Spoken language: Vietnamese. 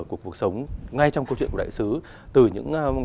cuộc cuộc sống